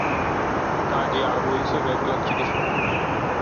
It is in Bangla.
কাজী আবু ইউসুফ একজন চিকিৎসক।